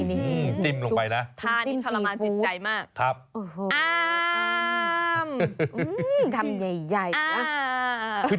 นี่จิ้มลงไปนะทานทรมานจิตใจมากครับโอ้โหอ้าวทำใหญ่นะ